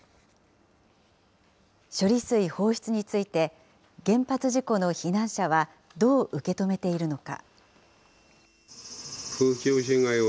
処理水放出について、原発事故の避難者はどう受け止めているのか。